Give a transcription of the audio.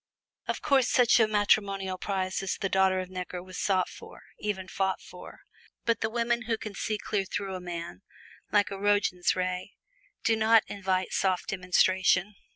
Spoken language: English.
Of course such a matrimonial prize as the daughter of Necker was sought for, even fought for. But the women who can see clear through a man, like a Roentgen ray, do not invite soft demonstration.